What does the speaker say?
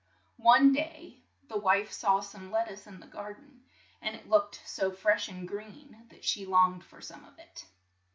One day the wife saw some let tuce in the gar den, and it looked so fresh and green that she longed for some of it.